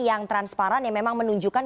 yang transparan yang memang menunjukkan